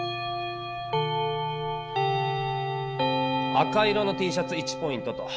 赤色のＴシャツ１ポイントと。